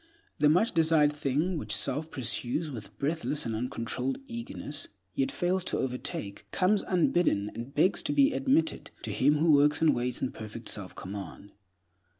The much desired thing which self pursues with breathless and uncontrolled eagerness, yet fails to overtake, comes unbidden, and begs to be admitted, to him who works and waits in perfect self command.